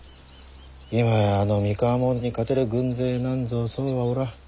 今やあの三河もんに勝てる軍勢なんぞそうはおらん。